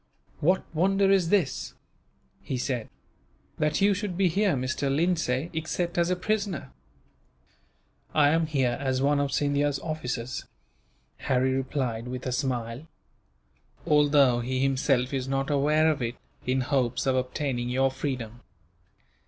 "What wonder is this," he said, "that you should be here, Mr. Lindsay, except as a prisoner?" "I am here as one of Scindia's officers," Harry replied, with a smile, "although he himself is not aware of it, in hopes of obtaining your freedom."